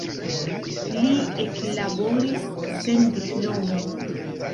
Li eklaboris sen diplomo.